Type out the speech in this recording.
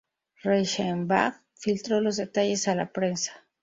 Reichenbach filtró los detalles a la prensa.